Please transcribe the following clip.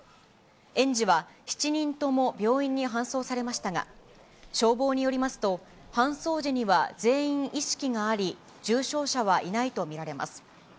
園児は７人とも病院に搬送されましたが、消防によりますと、搬送時には全員意識があり、重傷者はいないと見られます。